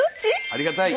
ありがたい。